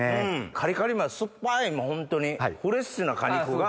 カリカリ梅は酸っぱいホントにフレッシュな果肉が。